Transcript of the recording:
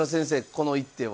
この一手は。